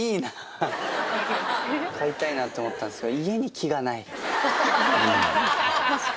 買いたいなって思ったんすけど。